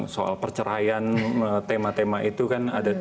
soal perceraian tema tema itu kan ada